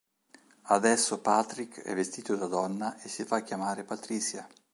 Adesso Patrick è vestito da donna e si fa chiamare "Patricia".